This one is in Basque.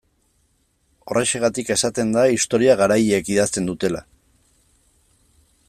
Horrexegatik esaten da historia garaileek idazten dutela.